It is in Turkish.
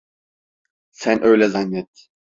Sen öyle zannet.